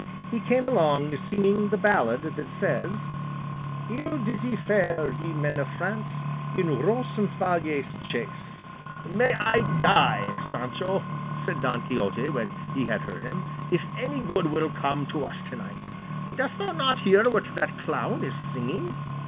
He came along singing the ballad that says Ill did ye fare, ye men of France, In Roncesvalles chase— "May I die, Sancho," said Don Quixote, when he heard him, "if any good will come to us to night! Dost thou not hear what that clown is singing?"